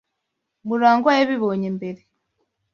Murangwa yabibonye mbere.